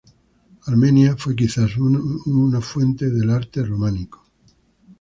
Armenia fue quizás una fuente del arte románico.